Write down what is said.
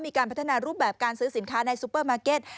มีการพัฒนารูปแบบการซื้อสินค้าในซูเปอร์มาร์เก็ต